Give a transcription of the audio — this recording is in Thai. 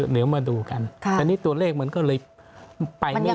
เดี๋ยวมาดูกันแต่นี่ตัวเลขมันก็เลยไปไม่